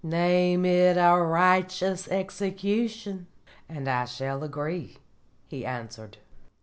"Name it a righteous execution, and I shall agree," he answered.